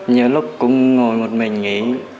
nhiều lúc cũng ngồi một mình nghỉ